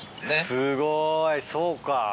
すごいそうか。